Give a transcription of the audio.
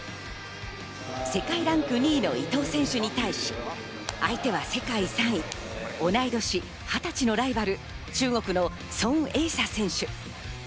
世界ランク２位の伊藤選手に対し、相手は世界３位、同い年２０歳のライバル、中国のソン・エイサ選手。